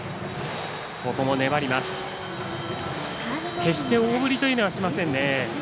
決して大振りというのはしませんね。